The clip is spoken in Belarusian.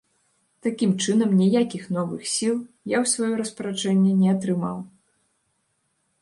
Такім чынам, ніякіх новых сіл я ў сваё распараджэнне не атрымаў.